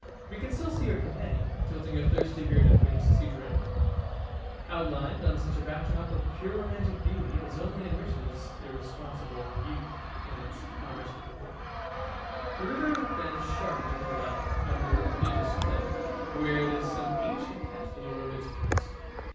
We can still see our companion, tilting a thirsty bearded face as he drank, outlined on such a backdrop of pure romantic beauty as only enriches irresponsible youth in its commerce with the world. The river bends sharply to the left under a prodigious cliff, where is some ancient castle or religious house.